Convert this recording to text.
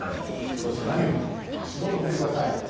そして何より足元見てください。